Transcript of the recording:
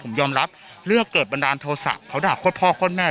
ผมยอมรับเรื่องเกิดบันดาลโทษศาสตร์เขาด่าข้ดพ่อข้ดแม่